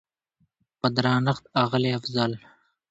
په درنښت اغلې افضل